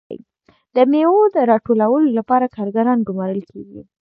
د میوو د راټولولو لپاره کارګران ګمارل کیږي.